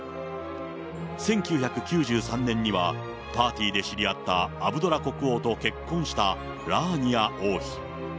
１９９３年にはパーティーで知り合ったアブドラ国王と結婚したラーニア王妃。